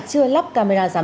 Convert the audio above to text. chưa lắp đặt camera giám sát